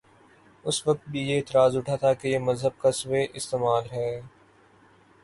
اس وقت بھی یہ اعتراض اٹھا تھاکہ یہ مذہب کا سوئ استعمال ہے۔